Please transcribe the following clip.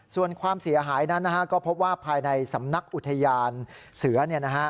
ส่วนความเสียหายนั้นนะฮะก็พบว่าภายในสำนักอุทยานเสือ